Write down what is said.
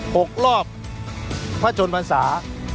หกรอบพระชนภาษา